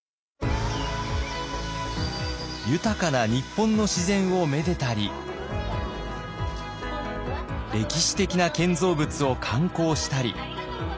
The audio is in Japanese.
豊かな日本の自然をめでたり歴史的な建造物を観光したり。